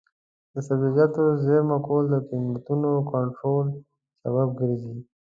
د سبزیجاتو زېرمه کول د قیمتونو کنټرول سبب ګرځي.